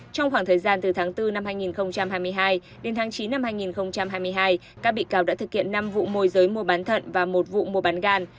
trong khoảng thời gian từ tháng bốn năm hai nghìn hai mươi hai đến tháng chín năm hai nghìn hai mươi hai các bị cáo đã thực hiện năm vụ môi giới mua bán thận và một vụ mua bán gan